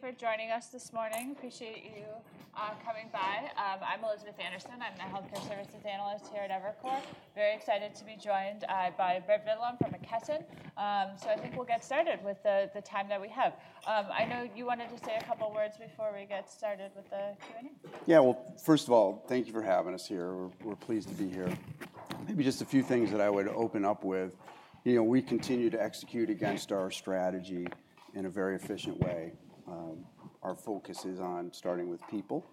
Thank you for joining us this morning. Appreciate you coming by. I'm Elizabeth Anderson. I'm the Healthcare Services Analyst here at Evercore. Very excited to be joined by Britt Vitalone from McKesson. So I think we'll get started with the time that we have. I know you wanted to say a couple of words before we get started with the Q&A. Yeah, well, first of all, thank you for having us here. We're pleased to be here. Maybe just a few things that I would open up with. We continue to execute against our strategy in a very efficient way. Our focus is on starting with people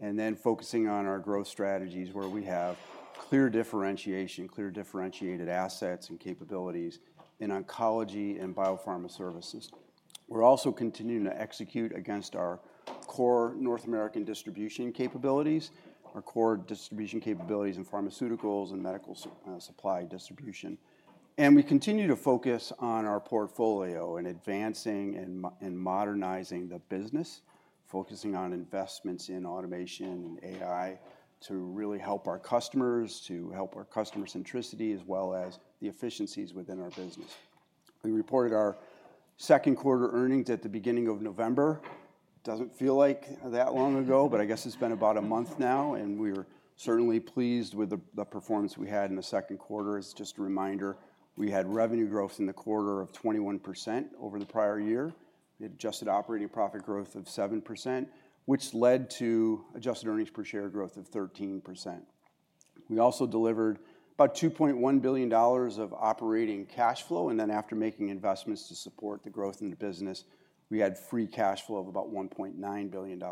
and then focusing on our growth strategies where we have clear differentiation, clear differentiated assets and capabilities in oncology and biopharma services. We're also continuing to execute against our core North American distribution capabilities, our core distribution capabilities in pharmaceuticals and medical supply distribution. And we continue to focus on our portfolio and advancing and modernizing the business, focusing on investments in automation and AI to really help our customers, to help our customer centricity, as well as the efficiencies within our business. We reported our second quarter earnings at the beginning of November. It doesn't feel like that long ago, but I guess it's been about a month now, and we are certainly pleased with the performance we had in the second quarter. It's just a reminder, we had revenue growth in the quarter of 21% over the prior year. We had adjusted operating profit growth of 7%, which led to adjusted earnings per share growth of 13%. We also delivered about $2.1 billion of operating cash flow, and then after making investments to support the growth in the business, we had free cash flow of about $1.9 billion,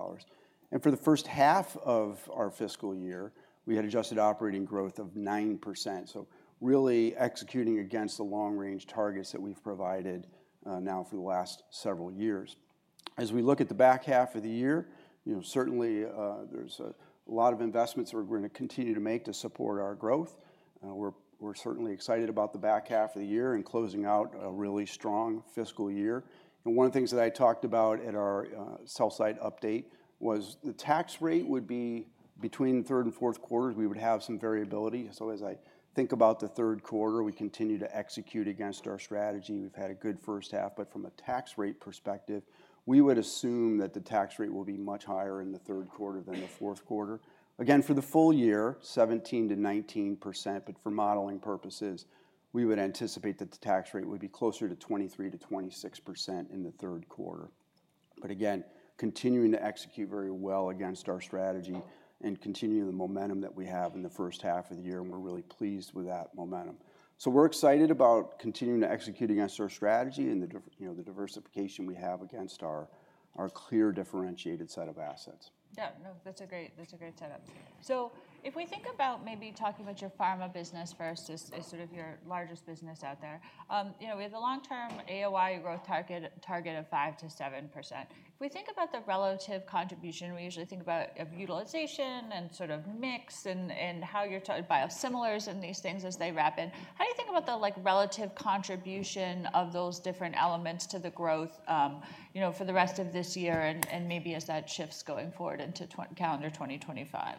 and for the first half of our fiscal year, we had adjusted operating growth of 9%, so really executing against the long-range targets that we've provided now for the last several years. As we look at the back half of the year, certainly there's a lot of investments we're going to continue to make to support our growth. We're certainly excited about the back half of the year and closing out a really strong fiscal year, and one of the things that I talked about at our sell-side update was the tax rate would be between the third and fourth quarters. We would have some variability, so as I think about the third quarter, we continue to execute against our strategy. We've had a good first half, but from a tax rate perspective, we would assume that the tax rate will be much higher in the third quarter than the fourth quarter. Again, for the full year, 17%-19%, but for modeling purposes, we would anticipate that the tax rate would be closer to 23%-26% in the third quarter. But again, continuing to execute very well against our strategy and continuing the momentum that we have in the first half of the year. And we're really pleased with that momentum. So we're excited about continuing to execute against our strategy and the diversification we have against our clear differentiated set of assets. Yeah, no, that's a great setup. So if we think about maybe talking about your pharma business first, as sort of your largest business out there, we have the long-term AOI growth target of 5%-7%. If we think about the relative contribution, we usually think about utilization and sort of mix and how you're talking about biosimilars and these things as they wrap in. How do you think about the relative contribution of those different elements to the growth for the rest of this year and maybe as that shifts going forward into calendar 2025?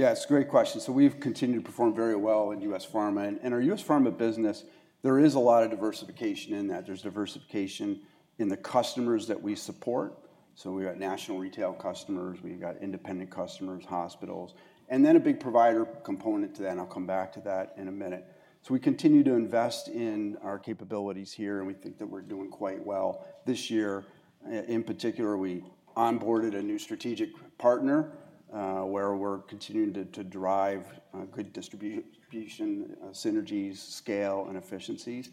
Yeah, it's a great question. So we've continued to perform very well in U.S. pharma. And our U.S. pharma business, there is a lot of diversification in that. There's diversification in the customers that we support. So we've got national retail customers, we've got independent customers, hospitals, and then a big provider component to that. And I'll come back to that in a minute. So we continue to invest in our capabilities here, and we think that we're doing quite well this year. In particular, we onboarded a new strategic partner where we're continuing to drive good distribution synergies, scale, and efficiencies.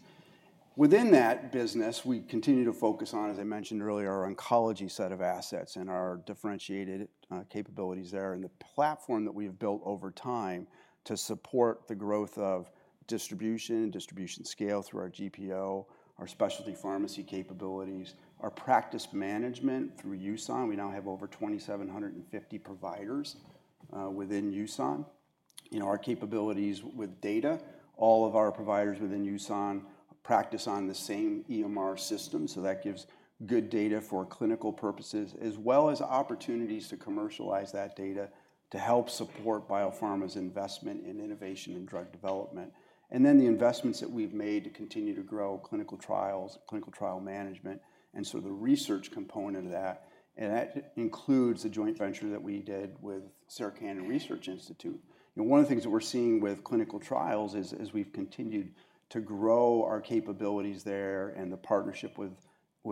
Within that business, we continue to focus on, as I mentioned earlier, our oncology set of assets and our differentiated capabilities there and the platform that we have built over time to support the growth of distribution and distribution scale through our GPO, our specialty pharmacy capabilities, our practice management through USON. We now have over 2,750 providers within USON. Our capabilities with data, all of our providers within USON practice on the same EMR system. So that gives good data for clinical purposes as well as opportunities to commercialize that data to help support biopharma's investment in innovation and drug development. And then the investments that we've made to continue to grow clinical trials, clinical trial management, and so the research component of that. And that includes the joint venture that we did with Sarah Cannon Research Institute. One of the things that we're seeing with clinical trials is as we've continued to grow our capabilities there and the partnership with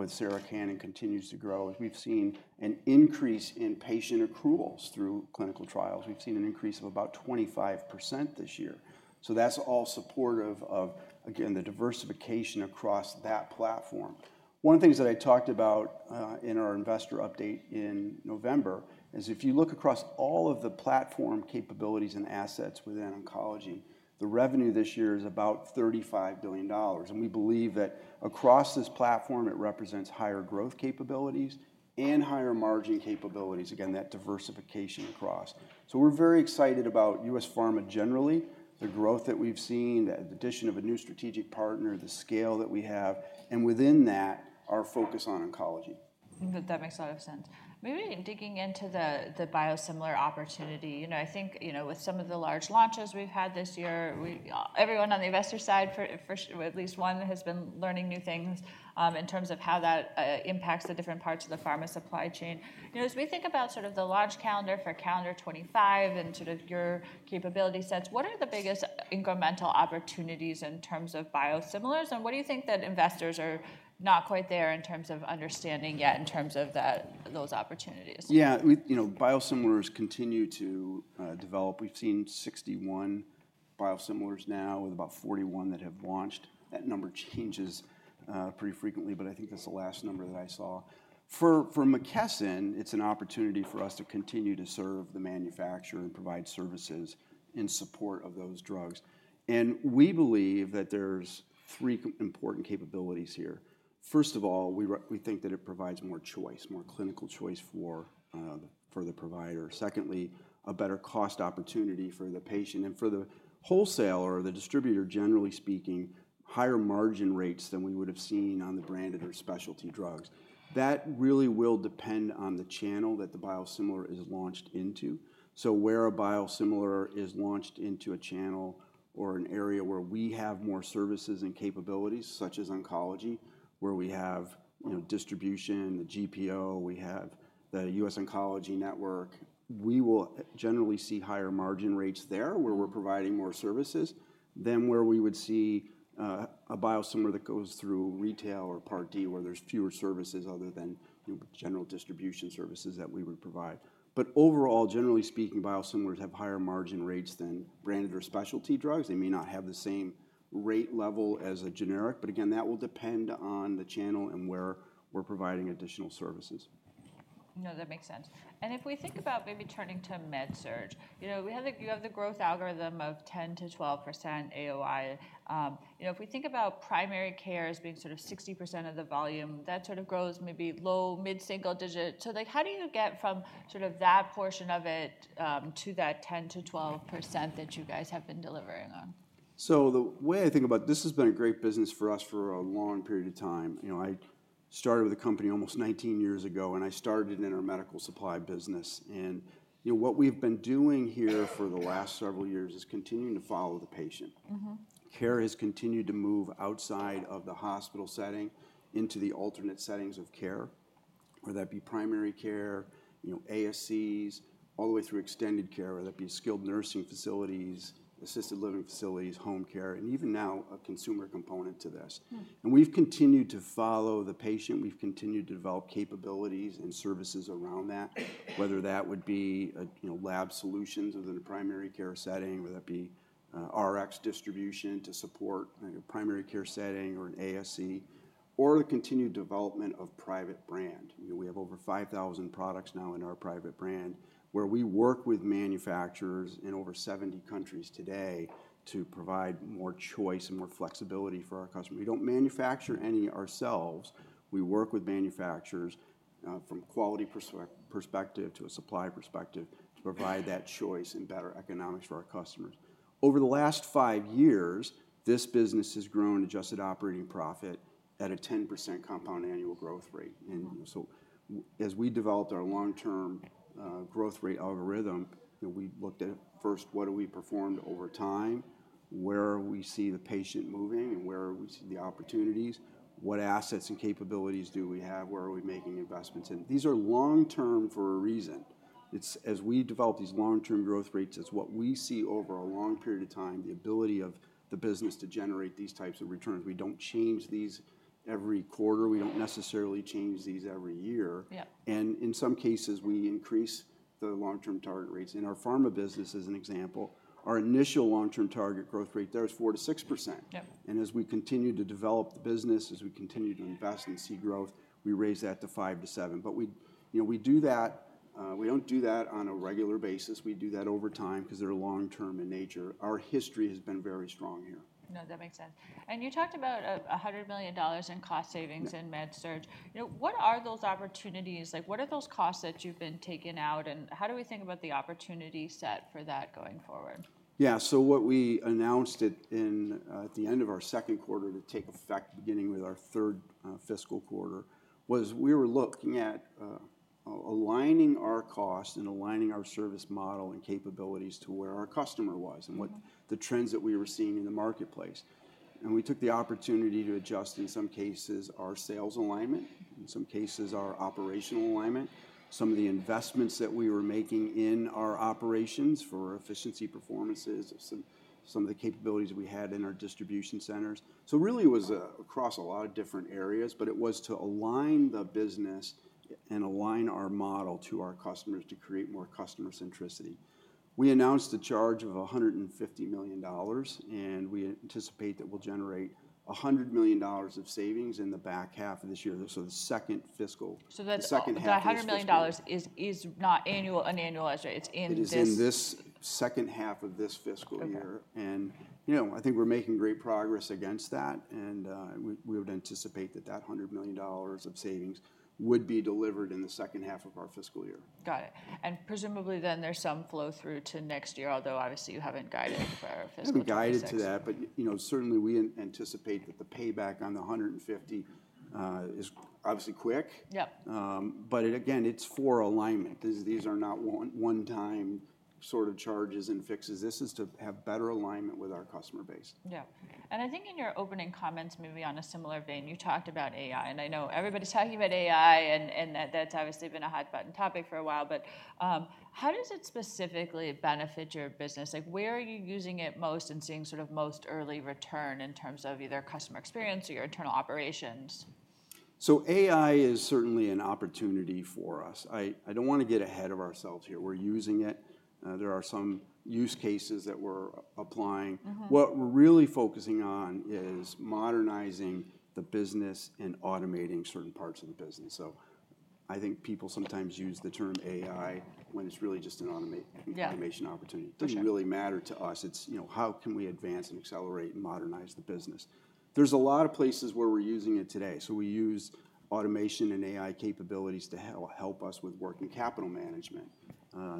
Sarah Cannon continues to grow, we've seen an increase in patient accruals through clinical trials. We've seen an increase of about 25% this year. So that's all supportive of, again, the diversification across that platform. One of the things that I talked about in our investor update in November is if you look across all of the platform capabilities and assets within oncology, the revenue this year is about $35 billion. And we believe that across this platform, it represents higher growth capabilities and higher margin capabilities, again, that diversification across. So we're very excited about U.S. pharma generally, the growth that we've seen, the addition of a new strategic partner, the scale that we have, and within that, our focus on oncology. I think that that makes a lot of sense. Maybe digging into the biosimilar opportunity, I think with some of the large launches we've had this year, everyone on the investor side, at least one, has been learning new things in terms of how that impacts the different parts of the pharma supply chain. As we think about sort of the launch calendar for calendar 2025 and sort of your capability sets, what are the biggest incremental opportunities in terms of biosimilars? And what do you think that investors are not quite there in terms of understanding yet in terms of those opportunities? Yeah, biosimilars continue to develop. We've seen 61 biosimilars now with about 41 that have launched. That number changes pretty frequently, but I think that's the last number that I saw. For McKesson, it's an opportunity for us to continue to serve the manufacturer and provide services in support of those drugs, and we believe that there's three important capabilities here. First of all, we think that it provides more choice, more clinical choice for the provider. Secondly, a better cost opportunity for the patient and for the wholesaler or the distributor, generally speaking, higher margin rates than we would have seen on the branded or specialty drugs. That really will depend on the channel that the biosimilar is launched into. Where a biosimilar is launched into a channel or an area where we have more services and capabilities, such as oncology, where we have distribution, the GPO, we have the US Oncology Network, we will generally see higher margin rates there where we're providing more services than where we would see a biosimilar that goes through retail or Part D, where there's fewer services other than general distribution services that we would provide. But overall, generally speaking, biosimilars have higher margin rates than branded or specialty drugs. They may not have the same rate level as a generic. But again, that will depend on the channel and where we're providing additional services. No, that makes sense. And if we think about maybe turning to Med-Surg, you have the growth algorithm of 10%-12% AOI. If we think about primary care as being sort of 60% of the volume, that sort of grows maybe low, mid-single digit. So how do you get from sort of that portion of it to that 10%-12% that you guys have been delivering on? So the way I think about this has been a great business for us for a long period of time. I started with the company almost 19 years ago, and I started in our medical supply business. And what we've been doing here for the last several years is continuing to follow the patient. Care has continued to move outside of the hospital setting into the alternate settings of care, whether that be primary care, ASCs, all the way through extended care, whether that be skilled nursing facilities, assisted living facilities, home care, and even now a consumer component to this. And we've continued to follow the patient. We've continued to develop capabilities and services around that, whether that would be lab solutions within a primary care setting, whether that be Rx distribution to support a primary care setting or an ASC, or the continued development of private brand. We have over 5,000 products now in our private brand where we work with manufacturers in over 70 countries today to provide more choice and more flexibility for our customers. We don't manufacture any ourselves. We work with manufacturers from a quality perspective to a supply perspective to provide that choice and better economics for our customers. Over the last five years, this business has grown adjusted operating profit at a 10% compound annual growth rate. And so as we developed our long-term growth rate algorithm, we looked at first, what have we performed over time, where we see the patient moving, and where we see the opportunities, what assets and capabilities do we have, where are we making investments in. These are long-term for a reason. As we develop these long-term growth rates, it's what we see over a long period of time, the ability of the business to generate these types of returns. We don't change these every quarter. We don't necessarily change these every year. And in some cases, we increase the long-term target rates. In our pharma business, as an example, our initial long-term target growth rate there is 4%-6%. And as we continue to develop the business, as we continue to invest and see growth, we raise that to 5% to 7%. But we do that. We don't do that on a regular basis. We do that over time because they're long-term in nature. Our history has been very strong here. No, that makes sense, and you talked about $100 million in cost savings in Med-Surg. What are those opportunities? What are those costs that you've been taking out, and how do we think about the opportunity set for that going forward? Yeah, so what we announced at the end of our second quarter to take effect beginning with our third fiscal quarter was we were looking at aligning our costs and aligning our service model and capabilities to where our customer was and the trends that we were seeing in the marketplace. And we took the opportunity to adjust, in some cases, our sales alignment, in some cases, our operational alignment, some of the investments that we were making in our operations for efficiency performances, some of the capabilities we had in our distribution centers. So really, it was across a lot of different areas, but it was to align the business and align our model to our customers to create more customer centricity. We announced a charge of $150 million, and we anticipate that we'll generate $100 million of savings in the back half of this year. So the second fiscal year. So that's the $100 million. It's not an annual estimate. It's in this. It is in this second half of this fiscal year. And I think we're making great progress against that. And we would anticipate that that $100 million of savings would be delivered in the second half of our fiscal year. Got it. And presumably then there's some flow through to next year, although obviously you haven't guided for our fiscal year. We haven't guided to that. But certainly, we anticipate that the payback on the $150 million is obviously quick. But again, it's for alignment. These are not one-time sort of charges and fixes. This is to have better alignment with our customer base. Yeah. And I think in your opening comments, maybe on a similar vein, you talked about AI. And I know everybody's talking about AI, and that's obviously been a hot-button topic for a while. But how does it specifically benefit your business? Where are you using it most and seeing sort of most early return in terms of either customer experience or your internal operations? So AI is certainly an opportunity for us. I don't want to get ahead of ourselves here. We're using it. There are some use cases that we're applying. What we're really focusing on is modernizing the business and automating certain parts of the business. So I think people sometimes use the term AI when it's really just an automation opportunity. It doesn't really matter to us. It's how can we advance and accelerate and modernize the business. There's a lot of places where we're using it today. So we use automation and AI capabilities to help us with working capital management,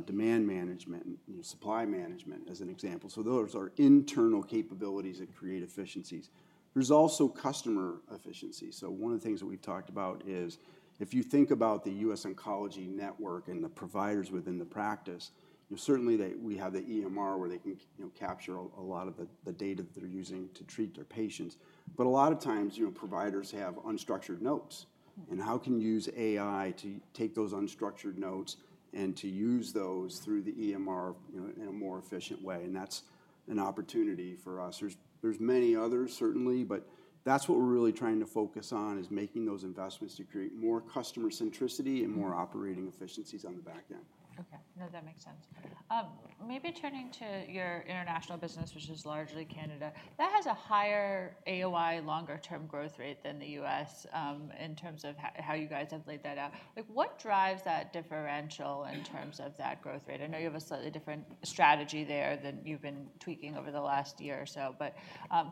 demand management, and supply management as an example. So those are internal capabilities that create efficiencies. There's also customer efficiency. So one of the things that we've talked about is if you think about the US Oncology Network and the providers within the practice, certainly we have the EMR where they can capture a lot of the data that they're using to treat their patients. But a lot of times, providers have unstructured notes. And how can you use AI to take those unstructured notes and to use those through the EMR in a more efficient way? And that's an opportunity for us. There's many others, certainly, but that's what we're really trying to focus on is making those investments to create more customer centricity and more operating efficiencies on the back end. Okay. No, that makes sense. Maybe turning to your international business, which is largely Canada, that has a higher AOI, longer-term growth rate than the U.S. in terms of how you guys have laid that out. What drives that differential in terms of that growth rate? I know you have a slightly different strategy there than you've been tweaking over the last year or so. But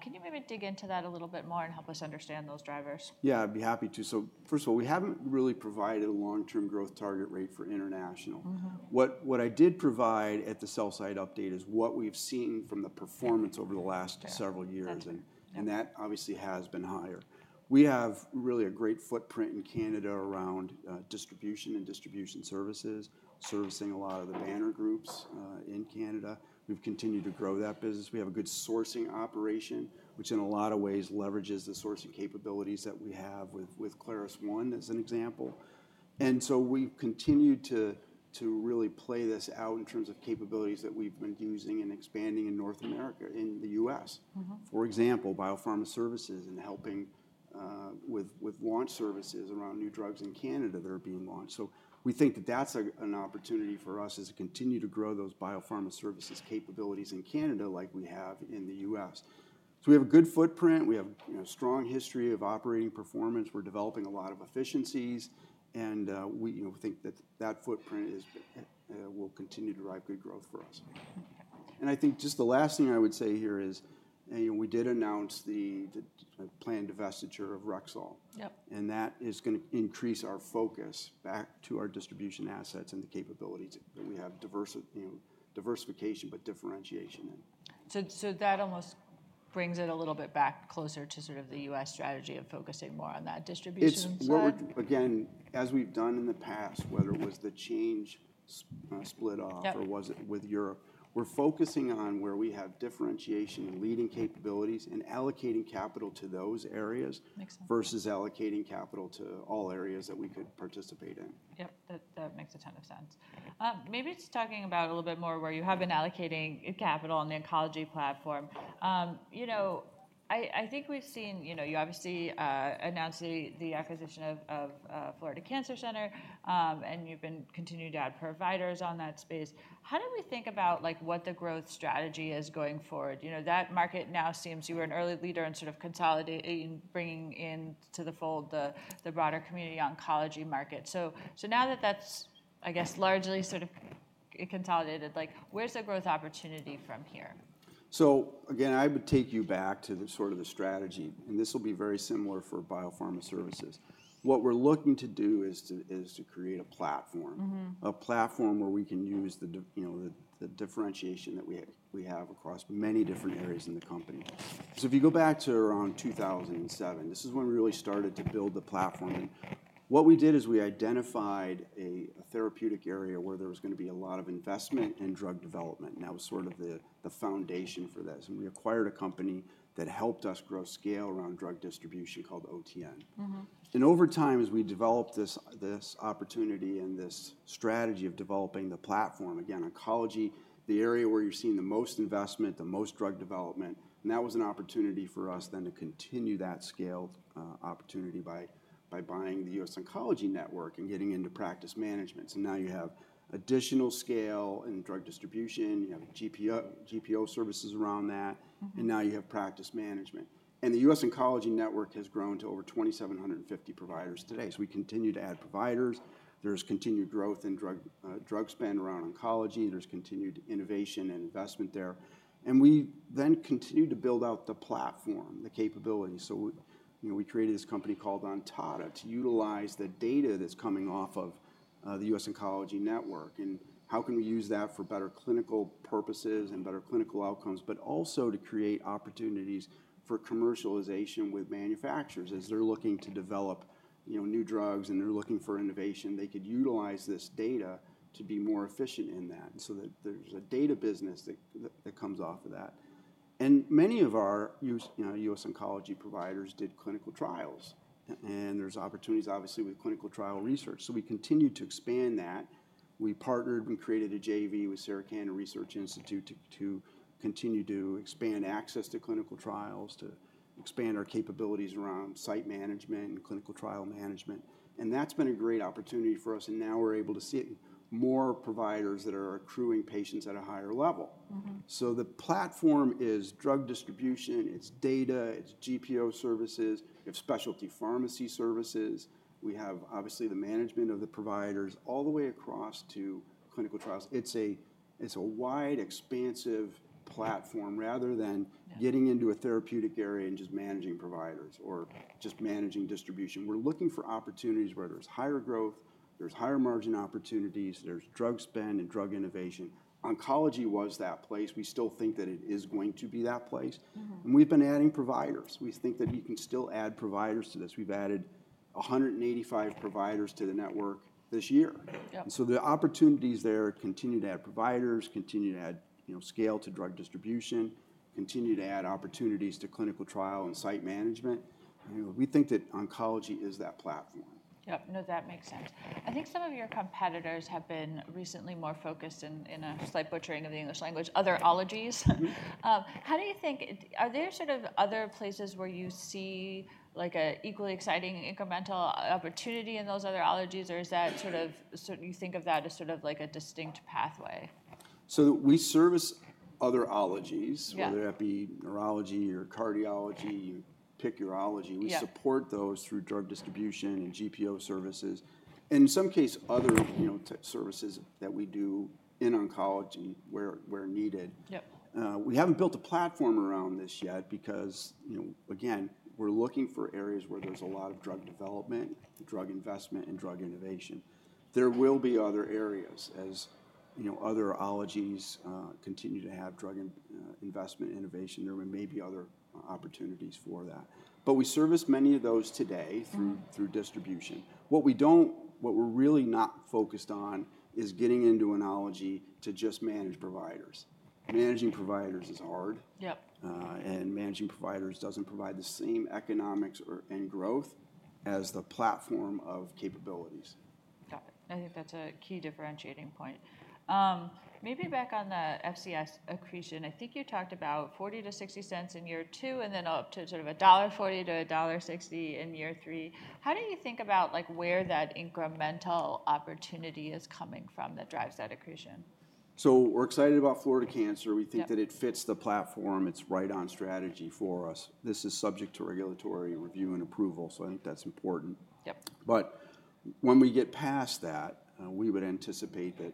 can you maybe dig into that a little bit more and help us understand those drivers? Yeah, I'd be happy to. So first of all, we haven't really provided a long-term growth target rate for international. What I did provide at the sell-side update is what we've seen from the performance over the last several years, and that obviously has been higher. We have really a great footprint in Canada around distribution and distribution services, servicing a lot of the banner groups in Canada. We've continued to grow that business. We have a good sourcing operation, which in a lot of ways leverages the sourcing capabilities that we have with ClarusONE, as an example, and so we've continued to really play this out in terms of capabilities that we've been using and expanding in North America, in the U.S. For example, biopharma services and helping with launch services around new drugs in Canada that are being launched. We think that that's an opportunity for us to continue to grow those biopharma services capabilities in Canada like we have in the U.S. We have a good footprint. We have a strong history of operating performance. We're developing a lot of efficiencies. We think that that footprint will continue to drive good growth for us. I think just the last thing I would say here is we did announce the planned divestiture of Rexall. That is going to increase our focus back to our distribution assets and the capabilities that we have diversification, but differentiation in. That almost brings it a little bit back closer to sort of the U.S. strategy of focusing more on that distribution side. Again, as we've done in the past, whether it was the change split off or was it with Europe, we're focusing on where we have differentiation and leading capabilities and allocating capital to those areas versus allocating capital to all areas that we could participate in. Yep, that makes a ton of sense. Maybe just talking about a little bit more where you have been allocating capital on the oncology platform. I think we've seen you obviously announced the acquisition of Florida Cancer Center. And you've been continuing to add providers on that space. How do we think about what the growth strategy is going forward? That market now seems you were an early leader in sort of consolidating, bringing into the fold the broader community oncology market. So now that that's, I guess, largely sort of consolidated, where's the growth opportunity from here? So again, I would take you back to sort of the strategy. And this will be very similar for biopharma services. What we're looking to do is to create a platform, a platform where we can use the differentiation that we have across many different areas in the company. So if you go back to around 2007, this is when we really started to build the platform. And what we did is we identified a therapeutic area where there was going to be a lot of investment in drug development. And that was sort of the foundation for this. And we acquired a company that helped us grow scale around drug distribution called OTN. And over time, as we developed this opportunity and this strategy of developing the platform, again, oncology, the area where you're seeing the most investment, the most drug development, and that was an opportunity for us then to continue that scale opportunity by buying the US Oncology Network and getting into practice management. So now you have additional scale in drug distribution. You have GPO services around that. And now you have practice management. And the US Oncology Network has grown to over 2,750 providers today. So we continue to add providers. There's continued growth in drug spend around oncology. There's continued innovation and investment there. And we then continue to build out the platform, the capability. So we created this company called Ontada to utilize the data that's coming off of the US Oncology Network. And how can we use that for better clinical purposes and better clinical outcomes, but also to create opportunities for commercialization with manufacturers as they're looking to develop new drugs and they're looking for innovation; they could utilize this data to be more efficient in that. And so there's a data business that comes off of that. And many of our US Oncology providers did clinical trials. And there's opportunities, obviously, with clinical trial research. So we continued to expand that. We partnered and created a JV with Sarah Cannon Research Institute to continue to expand access to clinical trials, to expand our capabilities around site management and clinical trial management. And that's been a great opportunity for us. And now we're able to see more providers that are accruing patients at a higher level. So the platform is drug distribution. It's data. It's GPO services. We have specialty pharmacy services. We have, obviously, the management of the providers all the way across to clinical trials. It's a wide, expansive platform rather than getting into a therapeutic area and just managing providers or just managing distribution. We're looking for opportunities where there's higher growth, there's higher margin opportunities, there's drug spend and drug innovation. Oncology was that place. We still think that it is going to be that place, and we've been adding providers. We think that you can still add providers to this. We've added 185 providers to the network this year, so the opportunities there continue to add providers, continue to add scale to drug distribution, continue to add opportunities to clinical trial and site management. We think that oncology is that platform. Yep. No, that makes sense. I think some of your competitors have been recently more focused in a slight butchering of the English language, other ologies. How do you think, are there sort of other places where you see an equally exciting incremental opportunity in those other ologies, or is that sort of you think of that as sort of like a distinct pathway? So we service other ologies, whether that be neurology or cardiology or pick your ology. We support those through drug distribution and GPO services. And in some cases, other services that we do in oncology where needed. We haven't built a platform around this yet because, again, we're looking for areas where there's a lot of drug development, drug investment, and drug innovation. There will be other areas as other ologies continue to have drug investment innovation. There may be other opportunities for that. But we service many of those today through distribution. What we're really not focused on is getting into an ology to just manage providers. Managing providers is hard. And managing providers doesn't provide the same economics and growth as the platform of capabilities. Got it. I think that's a key differentiating point. Maybe back on the FCS accretion. I think you talked about $0.40-$0.60 in year two and then up to sort of $1.40-$1.60 in year three. How do you think about where that incremental opportunity is coming from that drives that accretion? We're excited about Florida Cancer. We think that it fits the platform. It's right on strategy for us. This is subject to regulatory review and approval. I think that's important. But when we get past that, we would anticipate that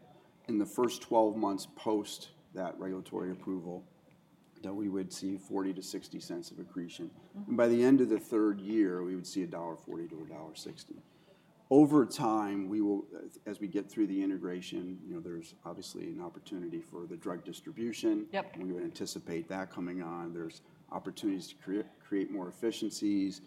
in the first 12 months post that regulatory approval, that we would see $0.40-$0.60 of accretion. And by the end of the third year, we would see $1.40-$1.60. Over time, as we get through the integration, there's obviously an opportunity for the drug distribution. We would anticipate that coming on. There's opportunities to create more efficiencies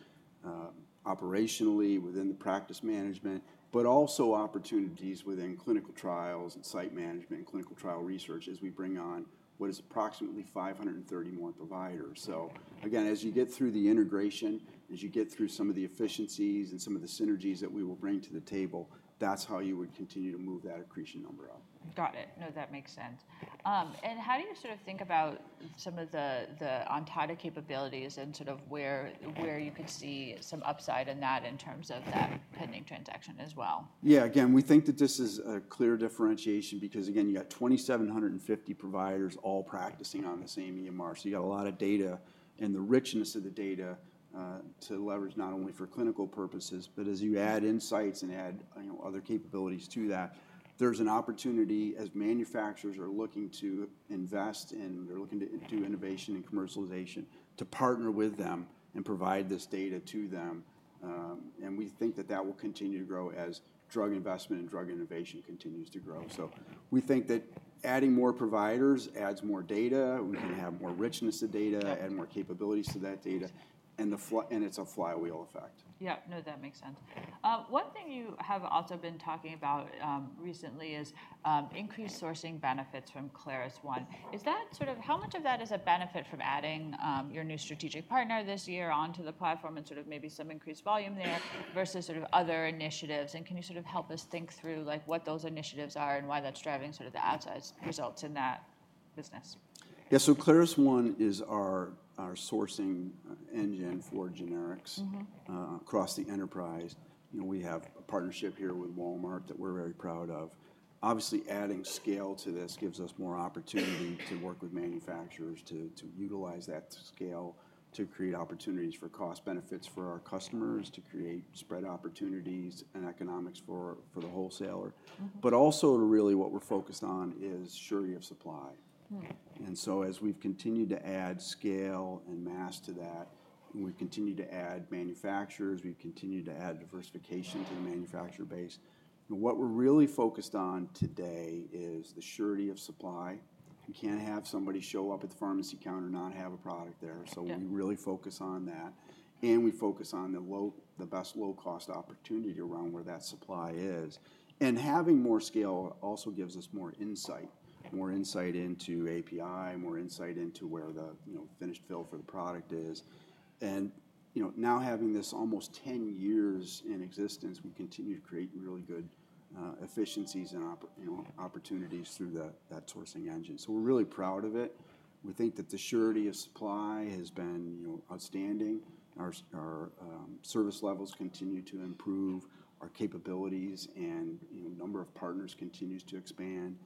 operationally within the practice management, but also opportunities within clinical trials and site management and clinical trial research as we bring on what is approximately 530 more providers. So again, as you get through the integration, as you get through some of the efficiencies and some of the synergies that we will bring to the table, that's how you would continue to move that accretion number up. Got it. No, that makes sense. And how do you sort of think about some of the Ontada capabilities and sort of where you could see some upside in that in terms of that pending transaction as well? Yeah. Again, we think that this is a clear differentiation because, again, you got 2,750 providers all practicing on the same EMR. So you got a lot of data and the richness of the data to leverage not only for clinical purposes, but as you add insights and add other capabilities to that, there's an opportunity as manufacturers are looking to invest and they're looking to do innovation and commercialization to partner with them and provide this data to them. And we think that that will continue to grow as drug investment and drug innovation continues to grow. So we think that adding more providers adds more data. We can have more richness of data, add more capabilities to that data. And it's a flywheel effect. Yeah. No, that makes sense. One thing you have also been talking about recently is increased sourcing benefits from ClarusONE. Is that sort of how much of that is a benefit from adding your new strategic partner this year onto the platform and sort of maybe some increased volume there versus sort of other initiatives? And can you sort of help us think through what those initiatives are and why that's driving sort of the upside results in that business? Yeah. So ClarusONE is our sourcing engine for generics across the enterprise. We have a partnership here with Walmart that we're very proud of. Obviously, adding scale to this gives us more opportunity to work with manufacturers to utilize that scale to create opportunities for cost benefits for our customers, to create spread opportunities and economics for the wholesaler. But also really what we're focused on is surety of supply. And so as we've continued to add scale and mass to that, and we've continued to add manufacturers, we've continued to add diversification to the manufacturer base, what we're really focused on today is the surety of supply. You can't have somebody show up at the pharmacy counter and not have a product there. So we really focus on that. And we focus on the best low-cost opportunity around where that supply is. Having more scale also gives us more insight, more insight into API, more insight into where the finished fill for the product is. Now having this almost 10 years in existence, we continue to create really good efficiencies and opportunities through that sourcing engine. We're really proud of it. We think that the surety of supply has been outstanding. Our service levels continue to improve. Our capabilities and number of partners continues to expand.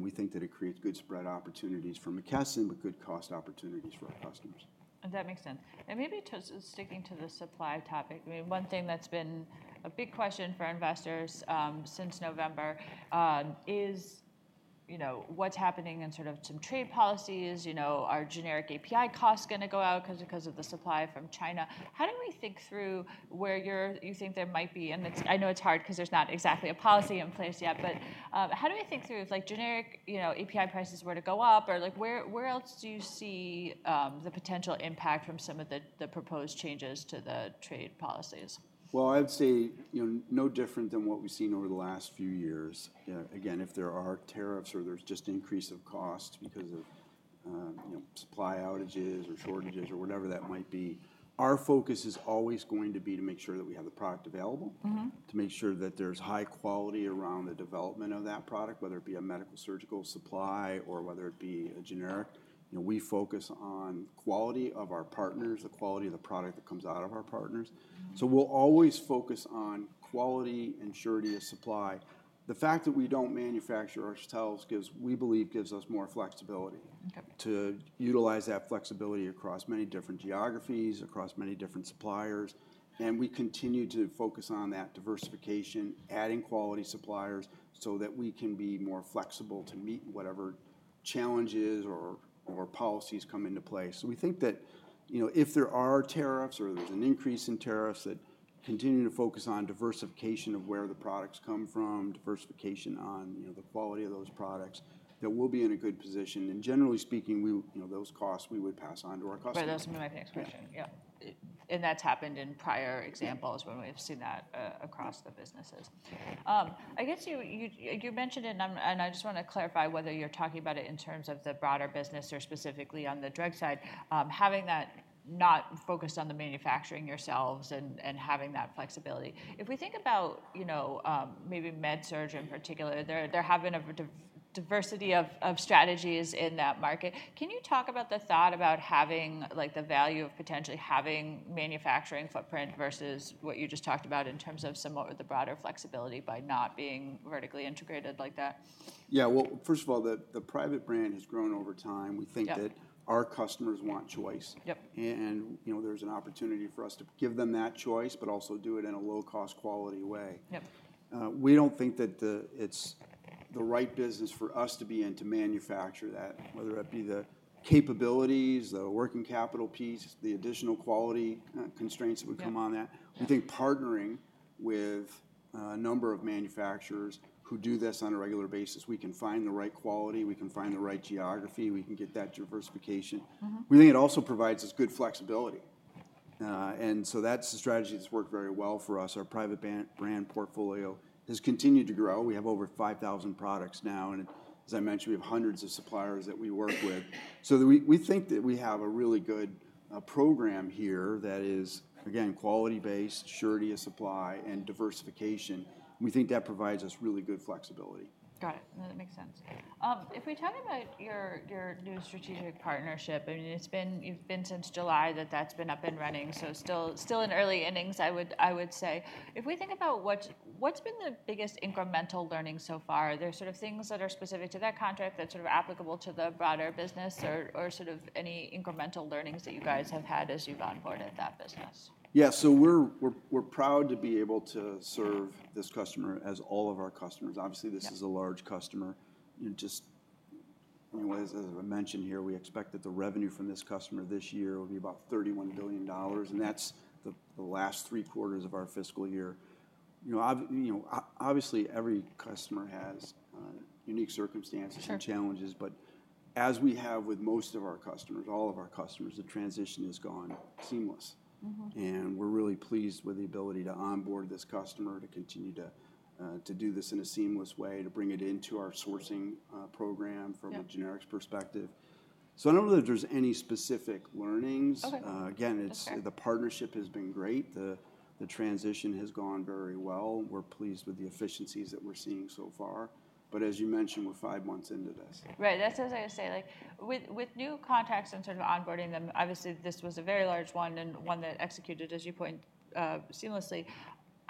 We think that it creates good spread opportunities for McKesson, but good cost opportunities for our customers. That makes sense. And maybe sticking to the supply topic, one thing that's been a big question for investors since November is what's happening in sort of some trade policies. Are generic API costs going to go up because of the supply from China? How do we think through where you think there might be? And I know it's hard because there's not exactly a policy in place yet, but how do we think through if generic API prices were to go up? Or where else do you see the potential impact from some of the proposed changes to the trade policies? I'd say no different than what we've seen over the last few years. Again, if there are tariffs or there's just increase of costs because of supply outages or shortages or whatever that might be, our focus is always going to be to make sure that we have the product available, to make sure that there's high quality around the development of that product, whether it be a medical surgical supply or whether it be a generic. We focus on quality of our partners, the quality of the product that comes out of our partners. So we'll always focus on quality and surety of supply. The fact that we don't manufacture ourselves gives, we believe, gives us more flexibility to utilize that flexibility across many different geographies, across many different suppliers. And we continue to focus on that diversification, adding quality suppliers so that we can be more flexible to meet whatever challenges or policies come into place. So we think that if there are tariffs or there's an increase in tariffs, that continue to focus on diversification of where the products come from, diversification on the quality of those products, that we'll be in a good position. And generally speaking, those costs, we would pass on to our customers. Right. That was my next question. Yeah. And that's happened in prior examples when we've seen that across the businesses. I guess you mentioned it, and I just want to clarify whether you're talking about it in terms of the broader business or specifically on the drug side, having that not focused on the manufacturing yourselves and having that flexibility. If we think about maybe Med-Surg in particular, there have been a diversity of strategies in that market. Can you talk about the thought about having the value of potentially having manufacturing footprint versus what you just talked about in terms of some of the broader flexibility by not being vertically integrated like that? Yeah. Well, first of all, the private brand has grown over time. We think that our customers want choice. And there's an opportunity for us to give them that choice, but also do it in a low-cost quality way. We don't think that it's the right business for us to be in to manufacture that, whether it be the capabilities, the working capital piece, the additional quality constraints that would come on that. We think partnering with a number of manufacturers who do this on a regular basis, we can find the right quality, we can find the right geography, we can get that diversification. We think it also provides us good flexibility. And so that's a strategy that's worked very well for us. Our private brand portfolio has continued to grow. We have over 5,000 products now. As I mentioned, we have hundreds of suppliers that we work with. So we think that we have a really good program here that is, again, quality-based, surety of supply, and diversification. We think that provides us really good flexibility. Got it. No, that makes sense. If we talk about your new strategic partnership, I mean, it's been since July that that's been up and running, so still in early innings, I would say. If we think about what's been the biggest incremental learning so far, there's sort of things that are specific to that contract that's sort of applicable to the broader business or sort of any incremental learnings that you guys have had as you've onboarded that business? Yeah, so we're proud to be able to serve this customer as all of our customers. Obviously, this is a large customer. Just as I mentioned here, we expect that the revenue from this customer this year will be about $31 billion, and that's the last three quarters of our fiscal year. Obviously, every customer has unique circumstances and challenges, but as we have with most of our customers, all of our customers, the transition has gone seamless, and we're really pleased with the ability to onboard this customer, to continue to do this in a seamless way, to bring it into our sourcing program from a generics perspective, so I don't know that there's any specific learnings. Again, the partnership has been great. The transition has gone very well. We're pleased with the efficiencies that we're seeing so far, but as you mentioned, we're five months into this. Right. That's what I was going to say. With new contracts and sort of onboarding them, obviously, this was a very large one and one that executed, as you point, seamlessly.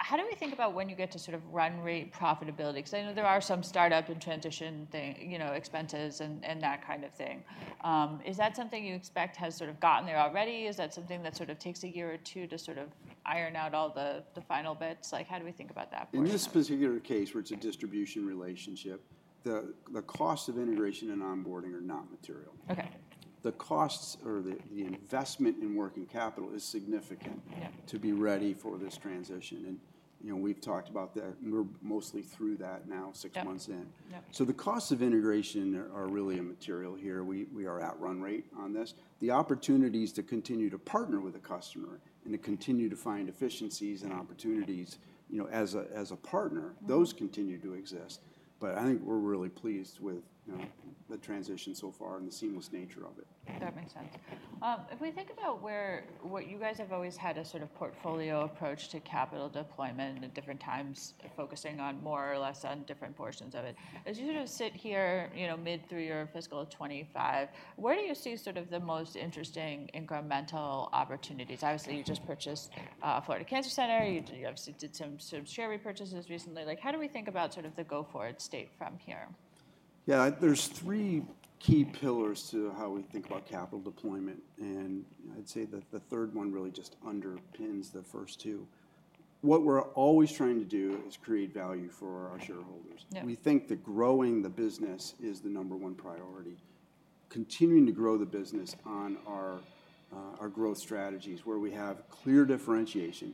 How do we think about when you get to sort of run rate profitability? Because I know there are some startup and transition expenses and that kind of thing. Is that something you expect has sort of gotten there already? Is that something that sort of takes a year or two to sort of iron out all the final bits? How do we think about that? In this particular case where it's a distribution relationship, the cost of integration and onboarding are not material. The costs or the investment in working capital is significant to be ready for this transition. And we've talked about that. We're mostly through that now, six months in. So the costs of integration are really immaterial here. We are at run rate on this. The opportunities to continue to partner with a customer and to continue to find efficiencies and opportunities as a partner, those continue to exist. But I think we're really pleased with the transition so far and the seamless nature of it. That makes sense. If we think about where you guys have always had a sort of portfolio approach to capital deployment at different times, focusing on more or less on different portions of it, as you sort of sit here mid through your fiscal 2025, where do you see sort of the most interesting incremental opportunities? Obviously, you just purchased Florida Cancer Center. You obviously did some share repurchases recently. How do we think about sort of the go-forward state from here? Yeah. There's three key pillars to how we think about capital deployment. And I'd say that the third one really just underpins the first two. What we're always trying to do is create value for our shareholders. We think that growing the business is the number one priority, continuing to grow the business on our growth strategies where we have clear differentiation,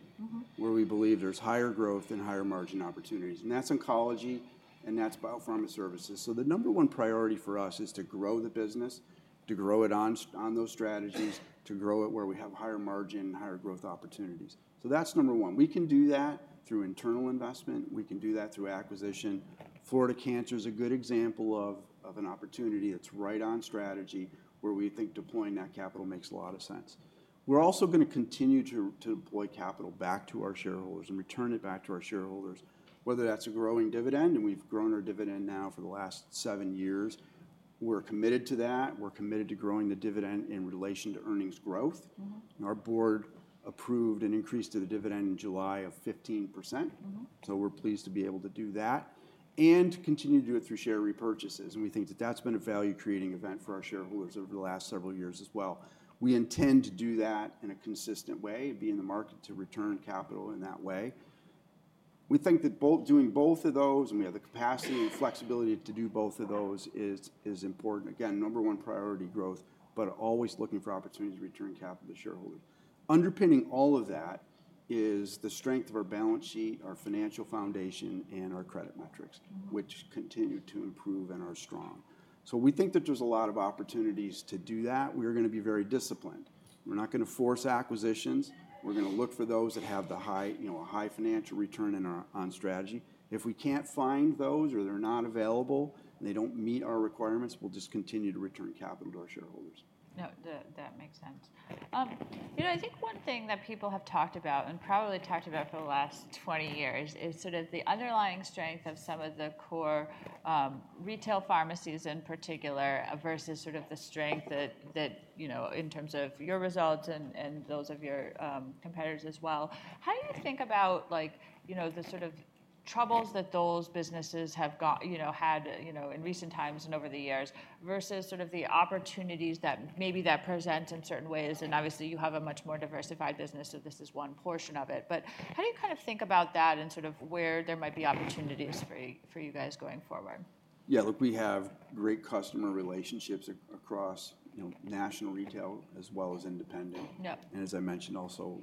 where we believe there's higher growth and higher margin opportunities. And that's oncology and that's biopharma services. So the number one priority for us is to grow the business, to grow it on those strategies, to grow it where we have higher margin and higher growth opportunities. So that's number one. We can do that through internal investment. We can do that through acquisition. Florida Cancer is a good example of an opportunity that's right on strategy where we think deploying that capital makes a lot of sense. We're also going to continue to deploy capital back to our shareholders and return it back to our shareholders, whether that's a growing dividend, and we've grown our dividend now for the last seven years. We're committed to that. We're committed to growing the dividend in relation to earnings growth. Our board approved an increase to the dividend in July of 15%, so we're pleased to be able to do that and continue to do it through share repurchases, and we think that that's been a value-creating event for our shareholders over the last several years as well. We intend to do that in a consistent way, be in the market to return capital in that way. We think that doing both of those and we have the capacity and flexibility to do both of those is important. Again, number one priority growth, but always looking for opportunities to return capital to shareholders. Underpinning all of that is the strength of our balance sheet, our financial foundation, and our credit metrics, which continue to improve and are strong. So we think that there's a lot of opportunities to do that. We're going to be very disciplined. We're not going to force acquisitions. We're going to look for those that have a high financial return on strategy. If we can't find those or they're not available and they don't meet our requirements, we'll just continue to return capital to our shareholders. That makes sense. I think one thing that people have talked about and probably talked about for the last 20 years is sort of the underlying strength of some of the core retail pharmacies in particular versus sort of the strength in terms of your results and those of your competitors as well. How do you think about the sort of troubles that those businesses have had in recent times and over the years versus sort of the opportunities that maybe that presents in certain ways? And obviously, you have a much more diversified business, so this is one portion of it. But how do you kind of think about that and sort of where there might be opportunities for you guys going forward? Yeah. Look, we have great customer relationships across national retail as well as independent. And as I mentioned, also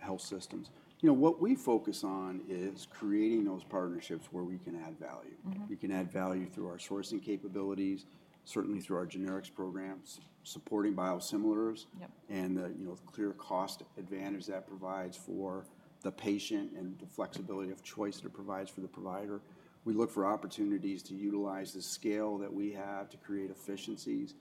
health systems. What we focus on is creating those partnerships where we can add value. We can add value through our sourcing capabilities, certainly through our generics programs, supporting biosimilars, and the clear cost advantage that provides for the patient and the flexibility of choice that it provides for the provider. We look for opportunities to utilize the scale that we have to create efficiencies.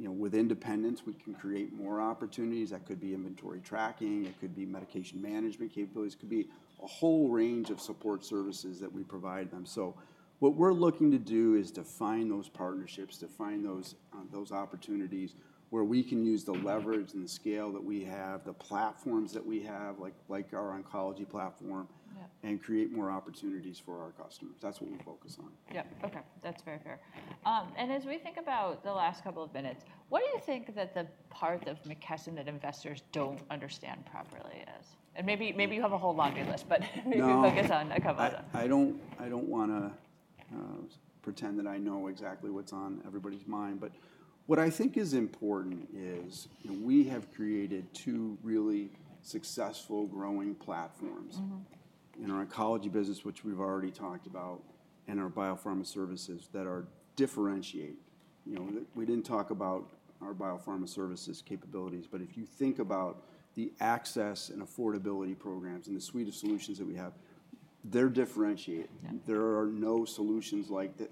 With independents, we can create more opportunities. That could be inventory tracking. It could be medication management capabilities. It could be a whole range of support services that we provide them. So what we're looking to do is to find those partnerships, to find those opportunities where we can use the leverage and the scale that we have, the platforms that we have, like our oncology platform, and create more opportunities for our customers. That's what we focus on. Yep. Okay. That's very fair. And as we think about the last couple of minutes, what do you think that the parts of McKesson that investors don't understand properly is? And maybe you have a whole laundry list, but maybe we focus on a couple of them. I don't want to pretend that I know exactly what's on everybody's mind. But what I think is important is we have created two really successful growing platforms in our oncology business, which we've already talked about, and our biopharma services that differentiate. We didn't talk about our biopharma services capabilities, but if you think about the access and affordability programs and the suite of solutions that we have, they're differentiated. There are no solutions like that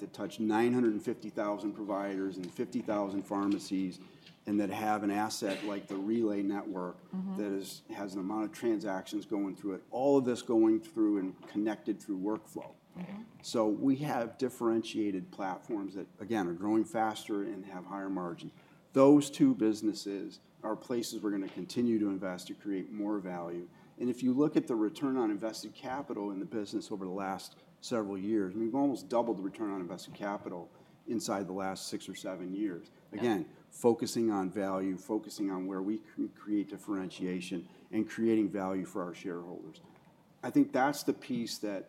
that touch 950,000 providers and 50,000 pharmacies and that have an asset like the Relay network that has an amount of transactions going through it, all of this going through and connected through workflow. So we have differentiated platforms that, again, are growing faster and have higher margins. Those two businesses are places we're going to continue to invest to create more value. If you look at the return on invested capital in the business over the last several years, we've almost doubled the return on invested capital inside the last six or seven years. Again, focusing on value, focusing on where we can create differentiation and creating value for our shareholders. I think that's the piece that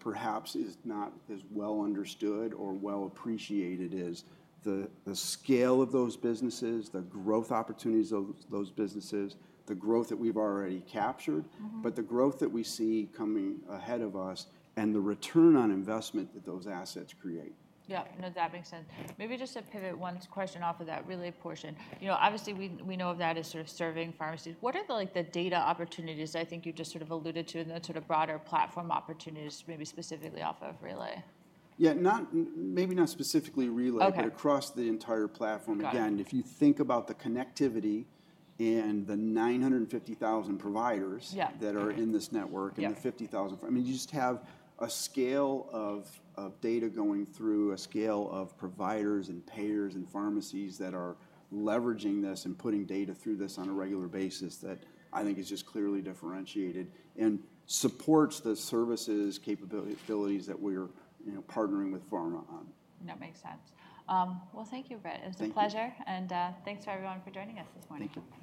perhaps is not as well understood or well appreciated, is the scale of those businesses, the growth opportunities of those businesses, the growth that we've already captured, but the growth that we see coming ahead of us and the return on investment that those assets create. Yep. No, that makes sense. Maybe just to pivot one question off of that Relay portion. Obviously, we know of that as sort of serving pharmacies. What are the data opportunities I think you just sort of alluded to in the sort of broader platform opportunities, maybe specifically off of Relay? Yeah. Maybe not specifically Relay, but across the entire platform. Again, if you think about the connectivity and the 950,000 providers that are in this network and the 50,000, I mean, you just have a scale of data going through, a scale of providers and payers and pharmacies that are leveraging this and putting data through this on a regular basis that I think is just clearly differentiated and supports the services capabilities that we're partnering with pharma on. That makes sense. Well, thank you, Britt. It was a pleasure. And thanks to everyone for joining us this morning. Thank you.